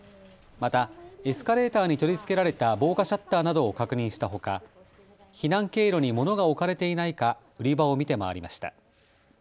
またエスカレーターに取り付けられた防火シャッターなどを確認したほか避難経路に物が置かれていないか売り場を見て回りました。